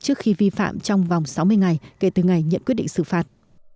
trước khi vi phạm trong vòng sáu mươi ngày kể từ ngày nhận quyết định xử phạt